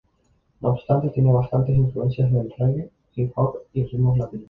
No obstante tiene bastantes influencias del reggae, hip hop y ritmos latinos.